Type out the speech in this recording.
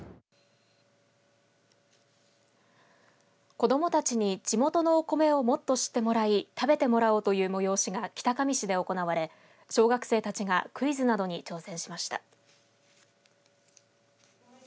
子どもたちに地元のお米をもっと知ってもらい食べてもらおうという催しが北上市で行われ小学生たちがクイズなどに挑戦しました。